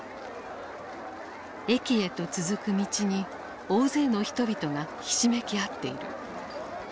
駅へと続く道に大勢の人々がひしめき合っている。